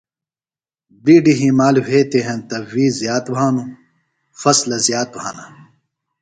بِیڈیۡ ہیمال وھئتیۡ ہینتہ وِی زِیات بھانوۡ۔ فصلہ زِیات بھانہ۔